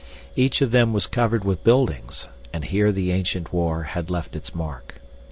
Each of them was covered with buildings, and here the ancient war had left its mark.